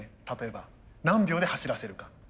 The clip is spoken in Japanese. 例えば何秒で走らせるか。